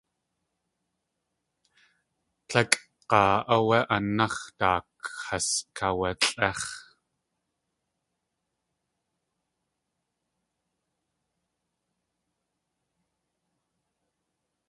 Tlékʼg̲aa áwé anax̲ daak has aawalʼéx̲.